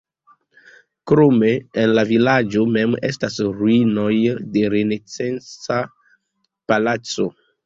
Krome en la vilaĝo mem estas ruinoj de renesanca palaco.